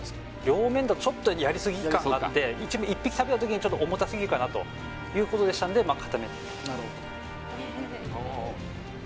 両面だとちょっとやりすぎ感があって一匹食べた時に重たすぎるかなということでしたんでまあ